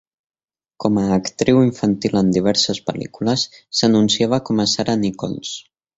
Com a actriu infantil en diverses pel·lícules, s'anunciava com a Sarah Nicholls.